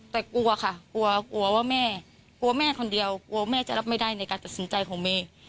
แต่กลัวค่ะกลัวกลัวว่าแม่กลัวแม่คนเดียวกลัวแม่จะรับไม่ได้ในการตัดสินใจของเมย์